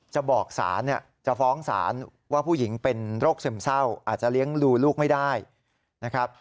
จะบอกศาลเนี่ยจะฟ้องศาลว่าผู้หญิงเป็นโรคซึมเศร้าอาจจะเลี้ยงดูลูกไม่ได้นะครับ